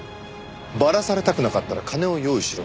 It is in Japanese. バラされたくなかったら金を用意しろ。